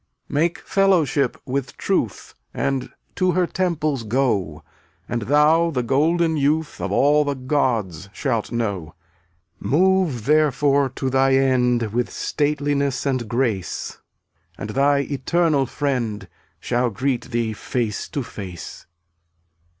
fi}*y>Af Make fellowship with Truth And to her temples go, (JvC/ And thou the golden youth ftXltoft Of all the gods shalt know. 15 Move, therefore, to thy end With stateliness and grace, And thy Eternal Friend Shall greet thee face to face.